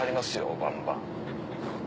ばんばん。